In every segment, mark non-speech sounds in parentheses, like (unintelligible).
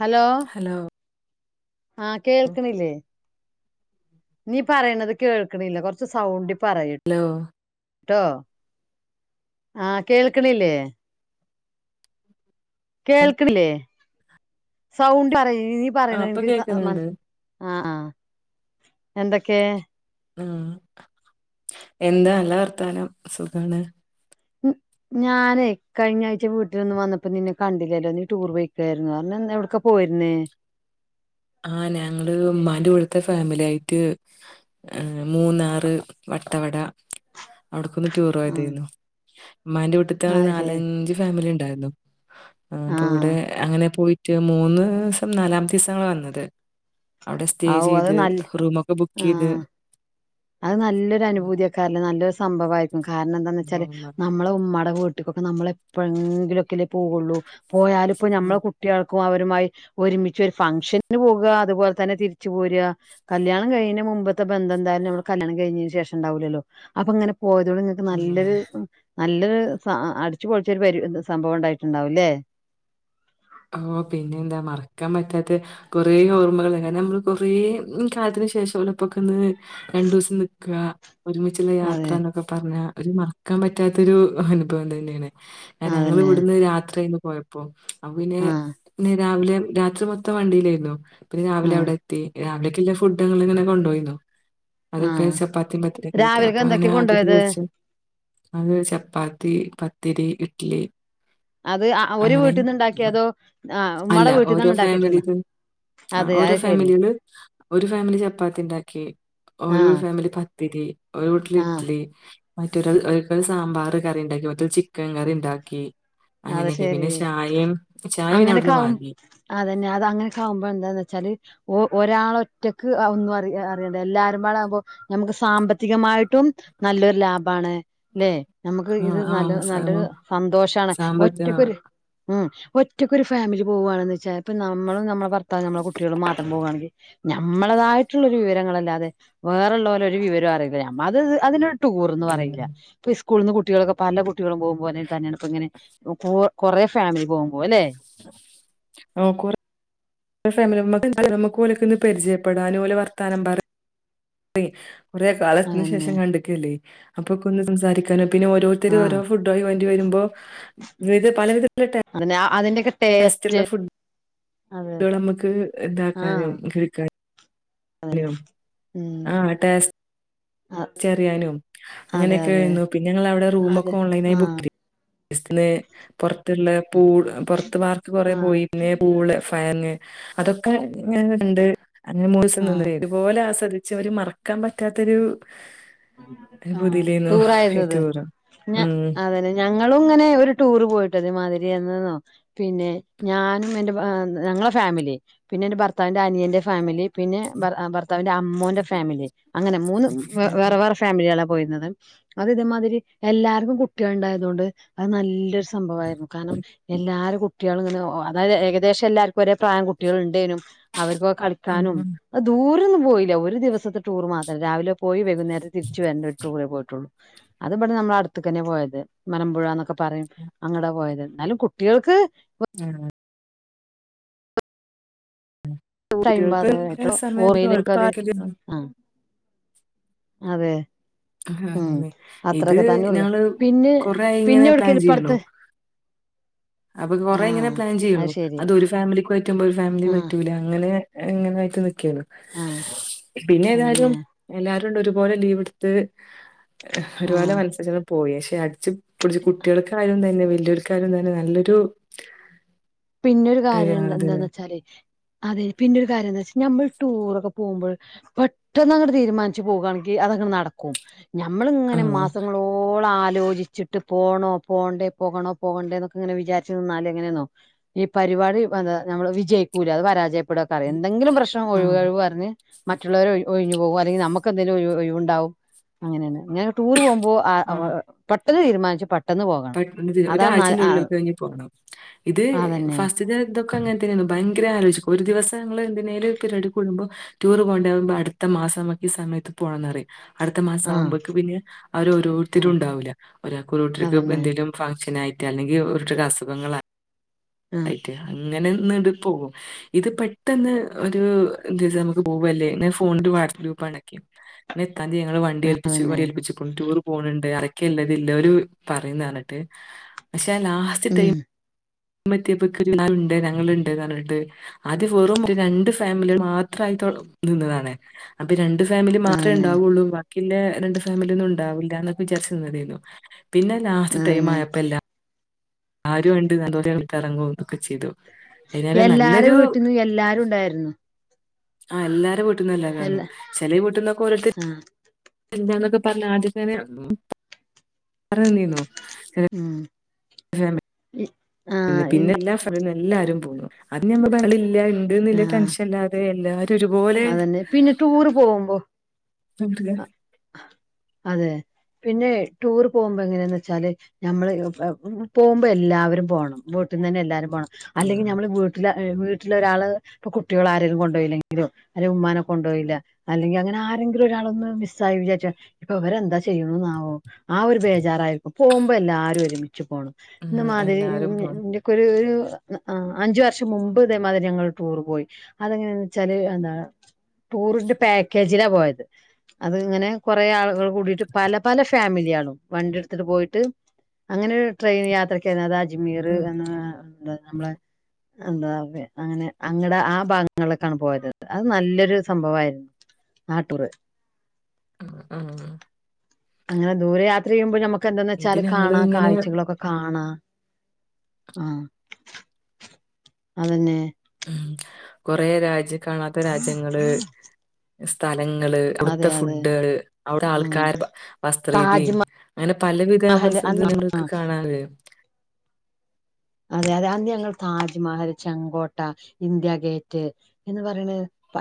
Hello ആ കേൾക്ക്ണില്ലേ നീ പറയണത് കേൾക്കണില്ല കുറച്ച് സൗണ്ട്. ഹലോ ട്ടോ ആ കേൾക്ക്ണില്ലേ. കേൾക്കണില്ലേ. സൗണ്ട് അറയ് നീ ആ പറയണ ഇപ്പൊ എനിക്ക് ത ആ കേക്കുന്നുണ്ട് മൻസ് ആ ആ എന്തൊക്കെ. ആ എന്താ നല്ല വർത്താനം സുഖാണ്. ഞാനേ കഴിഞ്ഞ ആഴ്ച വീട്ടിലൊന്നും വന്നപ്പോ നിന്നെ കണ്ടില്ലല്ലോ നീ ടൂർ പോയ്ക്കായിരുന്നു പർഞ്ഞു എവിടക്കെ പോയിരുന്നേ. ആ ഞങ്ങള് ഉമ്മാന്റെ വീട്ത്തെ ഫാമിലി ആയിറ്റ് മൂന്നാറ് വട്ടവട. അവ്ട്ക്കൊന്ന് ആഹ് ടൂറോയ്തേന്നു. (inaudible) ഉമ്മാന്റെ വീട്ട്ത്ത ആള് അത് ശരി നാലഞ്ച് ഫാമിലിണ്ട്. ഉണ്ടായിരുന്നു. ആ അപ്പൊ ആഹ് ഇവിടെ അങ്ങനെ പോയി മറ്റ മൂന്ന് ദിവസം നാലാമത്തെ ദിവസങ്ങള്ൾ വന്നത് അ അവിടെ സ്റ്റേ ആവൂ അത് ചെയ്ത് നല്ല റൂമ ഒക്കെ ബുക്ക് ആഹ് ചെയ്ത് അത് നല്ലൊരു അനുഭൂതിയക്കാറല്ല നല്ലൊരു സംഭവമായിയിരിക്കും കാരണം ച്ചാൽ ഉം, നമ്മള ഉമ്മടെ വി കുട്ടിക്കൊക്കെ നമ്മളെപ്പോഴെങ്കിലൊക്കെല്ലേ പോവു ള്ളൂ പോയാലും ഇപ്പോ മ്മളെ കുട്ടികൾക്ക അവരുമായി ഒരുമിച്ച് ഒരു ഫംഗഷനിന് പോകുക അതുപോലെ തന്നെ തിരിച്ചു പോരുക കല്യാണം കഴിഞ്ഞ മുമ്പത്തെ ബന്ധം എന്തായാലും ന കല്യാണം കഴിഞ്ഞതിന് ശേഷം ഉണ്ടാവൂല്ലോ അപ്പൊ അങ്ങനെ ഓ ഇതോട് നിങ്ങൾക്ക് ഉം, ഉം. നല്ലൊരു നല്ലൊരു സ അടിച്ചുപൊളിച്ചരു സംഭവം ഉണ്ടായിട്ടുണ്ടാവുംല്ലേ ഓ പിന്നെ എന്താ മറക്കാൻ പറ്റാത്ത കൊറെ ഓർമ്മകൾ ക നമ്മള് കൊറേ കാലത്തിന് ശേഷം വലപ്പൊക്കെ ഒന്ന് രണ്ടു ദിവസം നക്കുക ഒരുമിച്ചുള്ള യാത്ര അതെ എന്നൊക്കെ പറഞ്ഞാ ഒരു മറക്കാൻ പറ്റാത്തൊരു അനുഭവം തന്നെയാണ് ക ഞങ്ങൾ അതന്നെ ഇവിടുന്ന് രാത്ര പോയപ്പോ അ പിന്നെ ആഹ് രാവിലെ രാത്രി മൊത്തം വണ്ടിയിലായിരുന്നു പിന്നെ രാവിലെ ആഹ് അവിടെ എത്തി രാവിലേക്കെുള്ള ഫുഡങ്ങൾ ഇങ്ങനെ കൊണ്ടോ യിന്നോ അതൊക്കെ ആഹ് ചപ്പാത്തിയും പത്തി കഴട്ട രാവിലക്ക് അപ്പൊ അങ്ങനെ എന്തൊക്കെയാ കൊണ്ടുപോയത് അരിച്ച അത് ചപ്പാത്തി പത്തിരി ഇഡ്ലി അത് ഒരു വീട്ടിൽന്ന് ഉണ്ടാക്കി ക അതോ അല്ല ഓരോ ഫാമിലി ആ അതെ ഓരോ അത് ശെരി ഫാമിലി ഒരു ഫാമിലി ചപ്പാത്തി ഉണ്ടാക്കി ഓരോ ആഹ് ഫാമിലി ത്തിരി ഒര് വീട്ടിൽ ആഹ് ഇഡ്ഡലി മറ്റൊരാ ഒരിക്കൽ സാമ്പാർ കറി ഉണ്ടാക്കി മറ്റ ചിക്കൻ കറി ഉണ്ടാക്കി അത് അങ്ങനെയൊക്കെ ശെരി പിന്നെ ചായയും ചായ അങ്ങനൊക്കെ അവിടുന്ന് വാങ്ങി അതന്നെ അത് അങ്ങനെക്കുമ്പോ എന്താന്ന് വെച്ചാല് ഓ ഒരാള ഒറ്റക്ക് ഒന്നും അറ അറിയണ്ട എല്ലാവരുുംമ്പാടുമ്പോ നമുക്ക് സാമ്പത്തികമായിട്ടും നല്ലൊരു ലാഭമാണ് അല്ലെ നമുക്ക് ആ ഇത് നല്ല നല്ലൊരു സന്തോഷമാണ് അത ഉ ഒറ്റയ്ക്കൊ ഒരു ഫാമില പോകവാണന്ന് വെച്ചാൽ ഇപ്പ നമ്മള നമ്മ പറ ഇ നമ്മെ കുട്ടികളട് മാത്രം പോകുകയാെങ്കിൽ ഞമ്മളതായിട്ടുള്ളരു വിവരങ്ങളല്ലാതെ വേറള്ള പോലെ ഒരു വിവരം അറിയിില്ല അത് അതിന ടൂർന്ന് ഉം. പറയില്ലൊ സ്ൂുന്ന കുട്ടികൾക്കെ പല കുട്ടികളും പോകുമ പോോലെ തന്നാണ് ഇപ്പ ഇങ്ങനെ കുറേ ഫാമിലി പോകും പോല്ലെ ഫാമിലിമുക്ക് പോലൊക്കെന്ന് പരിചയപ്പെടാ അനഓലെ വർത്താനം പറ അ കുറെേ കാലത്തിന് അതന്നെ ശേഷം കണ്ടിക്കല്ലേ അപ്പൊക്ക കൊ സംസാരിക്കാന പിന്നെ ആഹ് ഓോരുത്തരോ ഫുഡയി വമ്പോ പല അ അതിന്റെ ബസ്റ്റുള്ള അതെ ഫുഡ് നമുക്ക് ആഹ് ഇതാക്കാനും കേക്കാനും ഉം അോ ആഹ് ടസ്റ്റ് തിച്ചറിയാനും അതെ അങ്ങനെയൊക്കെ അതെ ആരുന്നു പിന്നെ ഞങ്ങവിടെ റൂമ അതെ ഒക്കെ ഓൺലൈന ആായി ആഹ് ബുക്ക് ചെയ്യ ഇല്ലെ പൂൾ പുറത്ത്ു പാർക്ക് കൊറെ ആഹ് പോയിന്നെ പൂള് ഫയങ്ങ് അതൊക്കെ ഉണ്ട് അഞ്ു മൂ ദിവം തന്ന ആഹ് ഇപോലെ ആസ്വദ അവര് മറക്കാൻ പറ്റാത്തൊരു ആ അനുഭൂതിയിലായിരുന്നു ടൂറ ഈ ആായിരുന്നത് ടൂറ് ഉം അതെ ഞ ഞങ്ങളും ഇങ്ങനെ ഒരു ടൂർ പോയിട്ടത് മാതിരിയന്നോ പിന്നെ ഞാനും എന്റെ ഞങ്ങളെ ഫാമിലി പിന്നെ എന്റെ ഭർത്താവിന്റെ അനിയന്റെ ഫാമിലി പിന്നെ ഭർത്താവിന്റെ അമ്മൂന്റെ ഫാമിലി അങ്ങനെ മൂന്ന് ഉം. വേറെ വേറെ ഫാമിലിയാണ് പോയുന്നത് അത് ഇതേമാതിരി എല്ലാർക്കും കുട്ടികള ഉണ്ടായത കൊണ്ട് അത് നല്ലൊ സംഭവായിരുന്നു കാരണം എല്ലാരെ കു ട്ട്യോള് ഇങ്ങനെ ഓ അതായത് ഏകദേശം എല്ലർക്കും ഒരേ പ്രായം കുട്ട്യോള് ഇണ്ടേനും അവർക്കോ ഉം. കളിക്കാനും ഉം. അ ദൂരൊന്നും പോയില ഒരു ദിവസത്തെ ടൂർ മാത്രം രാവിലെ പോയി വ കുന്നേരം തിരിച്ച് വരണ്ട ഒരു ടൂറേ പോ ട്ടൊള്ളൂ. അത്ബടെ നമ്മളെ അട്ത്ത്ക്കെന്നെ പോയത്. മലമ്പുഴാന്നൊക്കെ പറയും. അങ്ങടാ പോയത്. എന്നാലും കുട്ട്യേൾക്ക് (unintelligible) ടൈം കുട്ടികൾക്ക് പാസ് സമയം (unintelligible) അത് പാർക്കില് ആഹ് അതെ ഉം അഹാണ്ലേ. ഇത് അത്രൊക്കെ തന്നെ ഉള്ളു ഞങ്ങള് പിന്നെ കൊറെ ആയി പിന്നെ ഇങ്ങനെ പ്ലാൻ എവിടക്കേലും ഇപ്പ ചെയ്യുണു അടുത്ത് അപ്പൊ കൊറെ ഇങ്ങനെ ആഹ് പ്ലാൻ ചെയ്യ്ണു. ശരി അത് ഒരു ഫാമിലിക്ക് പറ്റുമ്പോ ഒരു ഫാമിലിക്ക് ആഹ് പറ്റൂല. അങ്ങനെ എങ്ങനെ ആയിട്ട് ന് ക്കേന്ന്. ആഹ് പിന്നെ ഏതായാലും അതന്നെ എല്ലാരു ആണ്ട് ഒരുപോലെ ലീവ് ഇട്ത്ത് ഒരുപോലെ ആഹ് മനസ്സ് ച്ചാന്ന് പോയേ യട്ച്ചും പൊൾച്ച് കുട്ടിയേൾക്കായും ത ന്നെ വല്ല്യോൽകായാലും തന്നെ നല്ലൊ രു പിന്നൊരു കാര്യണ്ട് എന്താന്ന് വെച്ചാല് അതെ പിന്നൊരു കാര്യം എന്താ വെച്ചാ നമ്മൾ ടൂറൊക്കെ പോകുമ്പോൾ പെട്ടെന്ന് അങ്ങട്ട് തീരുമാനിച്ചു പോകാണെങ്കിൽ അതങ്ങട്ട് നടക്കും. ആ ഞമ്മളിങ്ങനെ മാസങ്ങളോളം ആ ലോചിച്ചിട്ട് പോണോ പോണ്ടേ പോകണോ പോകണ്ടേ എന്നൊക്കെ ഇങ്ങനെ വിചാരിച്ചു നിന്നാലെങ്ങനെ ന്നോ ഈ പരിപാടി എന്താ ഞമ്മള് വിജയിക്കൂല അത് പരാജയ പ്പെടെക്കാറം എന്തങ്കിലും പ്രശ്നം ആ ഒഴിവ് കഴിവ് പറഞ്ഞ് മറ്റുള്ളവര് ഒഴി ഒഴിഞ്ഞു പോകും അല്ലെങ്കിൽ നമുക്കന്തെലും ഒഴിവ് ഒഴിവുണ്ടാവും. അങ്ങനെണ് ഇങ്ങനെ ടൂർ പോവു മ്പോ അ ആ ഒ (unintelligible) തീരുമാനിച്ചു പ പ ഒരാഴ്ച്ചേന്റെ ഉള്ളിലൊക്കെ കഴിഞ്ഞ് പോകണം ഇത് അതന്നെ ഫസ്റ്റ്ത്തെ ത ക്ക അങ്ങനെ തന്നാണ് ഭയങ്കര ആലോചിക്കും ഒരു ദിവസം ഞങ്ങള് എന്തിനേലും പരിപാടിക്ക് കൂടുമ്പോ ടൂർ പോകണ്ടേ അടുത്ത മാസം നമക്ക് ഈ സമയത്ത് പോണന്നറയും അടുത്ത മാസം ആ ആവുമ്പക്ക് പിന്നെ ആ അവരോരോരുത്തരും ഉണ്ടാവൂല്ല ഒരാക്കൊരു ട്രി പെ അതന്നെ എന്തേലും ഫങ്ഷനായി ക്ക അല്ലെങ്കി ഇവര്ക്കൊക്കെ അസുഖങ്ങളാ ആ അയ്റ്റെ ള ങ്ങനെ ന്ന്ട് പോവും ഇത് പെട്ടെന്ന് ഒരു എന്തെയ്താ നമക്ക് പോവല്ലേ ഇങ്ങനെ ഫോണില് വാട്ട്സപ്പ് ഗ്രൂപ്പണ്ടാക്ക്യാ (unintelligible) (unintelligible) ഞങ്ങള് വണ്ടിയേൽപിച്ചു അതന്നെ വണ്ടിയേൽപിച്ച്കുൺ ടൂർ പോണ് ണ്ട് ആ ക്ക്യല്ലതില്ല ഒരു പറിംന്നർഞ്ഞ്ട്ട് അശ് (unintelligible) ലാസ്റ്റ് ടൈ ഉം മെത്ത്യ പ്പോക്കിന് ല്ലാരുണ്ട് ഞങ്ങള്ണ്ട് ന്നർഞ്ഞിട്ട് ആദ്യം വെറും രണ്ട് ഫാമില്യള് മാത്രയിട്ട് നിന്നതാണ് അപ്പൊ ഇര- ഫാമിലി മാത്രേ അതന്നെ ഉണ്ടാവയുള്ളൂ. (unintelligible) രണ്ടണ്ട് ഫാമിലി ഒന്നും ഉണ്ടാവില്ല എന്നൊക്കെ വിചാരിച്ചി നിന്നതായിരുന്നു. പിന്നെ ലാസ്റ്റ് ടൈം അതന്നെ ആയപ്പല്ലാ- ആരും ഉണ്ട് നന്തോത്തി ഇറങ്ങും എന്നൊക്കെ ചെയ്തു. അതിനാൽ എല്ലാരും നല്ലൊരു വീട്ടന്ന് എല്ലാരും ഉണ്ടായിരുന്നു. ആ എല്ലാരും- എല്ല (unintelligible) ചില വീട്ടുന്നൊക്കെ ഓരോത്ത എന്താന്നൊക്കെ പറഞ്ഞ ആദ്യത്ത തന്നെ പറ നീന്നോ ഉം അ (unintelligible) പി ഇൻ പിന്നെ എല്ലാ ഫലും എല്ലാരും പോന്നു. അത് (unintelligible) (unintelligible) ആഹ് ടെൻഷല്ലാതെ ല്ലാ അതന്നെ പിന്നെ ടൂറ് പോകുമ്പോ (unintelligible) അതെ പിന്നെ ടൂർ പോകുമ്പോ എങ്ങനെയാന്ന് വെച്ചാല് ഞമ്മള് പോകുമ്പോ എല്ലാവരും പോണം വീട്ട്ന്ന് തന്നെ എല്ലാരും പോണം ഉം അല്ലെങ്കിൽ ഞമ്മള് വീട്ടിലാ (unintelligible) വീട്ടിലൊരാള് ഇപ്പ കുട്ട്യേള് ആരെങ്കിലും കൊണ്ടോയില്ലങ്കിലോ അല്ലെ ഉമ്മാനെ കൊണ്ടോയില്ല അല്ലെങ്കി അങ്ങനെ ആരെങ്കിലും ഒരാളൊന്ന് മിസ്സ് മിസ്സായി വിചാരിച്ചാ ഇപ്പൊ ഇവരെന്താ ചെയ്യണ്ന്നാവോ ആ ഒരു ബേജാറായിരിക്കും. പോവുമ്പോ എല്ലാവാരും ഒരുമി ച്ച് പോണം ഉം ഇന്ന മാതിരി എല്ലാരും പോണം (unintelligible) ഒരു ആ അഞ്ചു വർഷം മുമ്പ് ഇതേമാതിരി ഞങ്ങള് ടൂർ പോയി അതെങ്ങനെയാന്ന് വെച്ചാല് എന്താ ടൂറിന്റെ പാക്കേജിലാ പോയത് അത് ഇങ്ങനെ കുറേ ആളുകൾ കൂടിട്ട് പല പല ഫാമിലി കാണും വണ്ടി എടുത്തിട്ട് പോയിട്ട് അങ്ങനെ ട്രെയിൻ യാത്രക്ക് അതാ അ ജ്മീർ ഉം എന്ന നമ്മളെ എന്താ അങ്ങനെ അങ്ങടെ ആ ഭാഗങ്ങളിലേക്കാണ് പോയത്ത് അത് നല്ലൊരു സംഭവമായിരുന്നു ആ ടൂറ് ആ ആ അങ്ങനെ ദൂരെ യാത്ര ചെയ്യുമ്പോൾ നമ്മക്ക് ക്ക എന്താന്ന് ഇത് വെച്ചാൽ ഞങ്ങള് കാണാ ഇങ്ങനെ കാഴ്ചകളൊക്കെ കാണാ ആ അതന്നെ ഉം കൊറേ രാജ്യത്ത് കാണാത്ത രാജ്യങ്ങള് സ്ഥല നിങ്ങള് അതെ അവിടത്തെ അതെ ഫുഡ്കള് അവിടെ ഉം ആൾകാർ വസ്ട്രീതി താജ്മഹൽ അങ്ങനെ പലവിധ നമ്മൾ അന്ന് സുന്തുനങ്ങൾക്ക് കാണാറ അതെ അതെ അന്ന് ഞങ്ങൾ താജ്മഹൽ ചെങ്കോട്ട ഇന്ത്യ ഗേറ്റ് എന്ന് പറയണ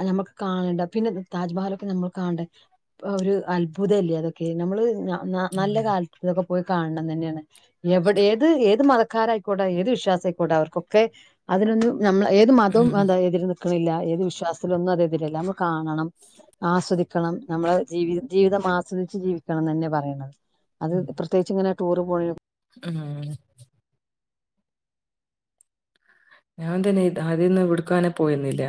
ഞമ്മൾക്ക് കാണണ്ട പിന്നെ താജ്മഹൽൊക്കെ നമ്മൾ കാണണ്ട ഒരു അത്ഭുത അല്ലേ അതൊക്കെ നമ്മള് ഉം നല്ല കാലത്ത് പ്പോ പോയി കാണണം തന്നെയാണ് എവിടെ ഏത് ഏത് മത കറ കൊട്ടെ ഏത് വിശ്വാസായികൊട്ടെ അവർക്കൊക്കെ അതിനൊന്ന് നമ്മളള് ഏത് മതവും ഉം എന്ത (unintelligible) ക്കില്ല ഏത് വിശ്വാസത്തിലൊന്നും അതെതിരല്ല നമ്മ കാണണം ആസ്വദിക്കണം നമ്മെള ജീവിത ജീവിതം ആസ്വദിച്ച് ജീവിക്കണം തന്നെ പറയണത് അത് പ്രത്യേകിച്ച് ഇങ്ങനെ ടൂറ് പോയ മ്മ് ഞാൻ തന്നെ ഇത് ആദ്യന്ന് എവിടേക്കെന്ന് പോയിരുന്നില്ല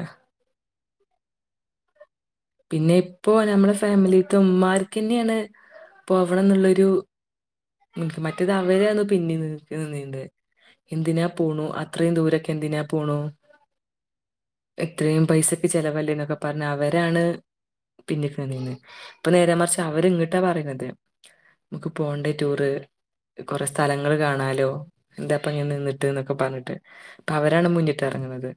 പിന്നെ ഇപ്പോ നമ്മെള ഫാമിലിത്തു ഉമ്മർക്ക് തന്നെയത് പോവണംന്നുള്ളൊരു ക്ക് മറ്റേത് അവരാണ് പിന്നീക്ക് നിന്നേന്ന് എന്തിനാ പോണു അത്രയും ദൂരൊക്കെ എന്തിനാ പോണു എത്രയും പൈസക്ക് ചെലവല്ലേ എന്നൊക്കെ പറഞ്ഞ അവരാണ് പിന്നിക്ക് നിന്നേന്ന് ഇപ്പൊ നേരെ മറിച്ച് അവര് ഇങ്ങോട്ടാ പറയുന്നത് നക്ക് പോണ്ടേ റ്റൂറ് കൊറെ സ്ഥലങ്ങള് കാണാലോ എന്താപ്പ ഇങ്ങി നിന്നിട്ട് ന്നൊക്കെ പറഞ്ഞിട്ട് അവരാണ് മുന്നിട്ട് എറങ്ങുന്നത്